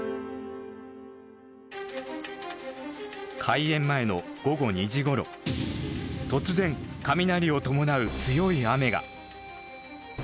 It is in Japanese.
開演前の午後２時ごろ突然雷を伴う強い雨が。